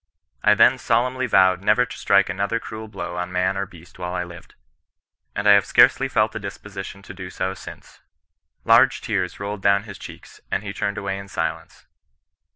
I then solemnly vowed never to strike another cruel blow on man or beast while I lived. And I have scarcely felt a disposition to do so since.' Large tears rolled down his cheeks, and he turned away in silence.